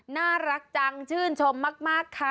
น่ารักจังชื่นชมมากค่ะ